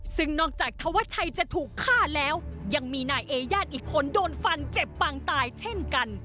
ซึ่งนอกจากธวัชชัยจะถูกฆ่าแล้วยังมีนายเอญาติอีกคนโดนฟันเจ็บปางตายเช่นกัน